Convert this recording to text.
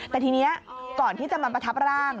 แต่ทีนี้ก่อนที่จะมาประทับร่าง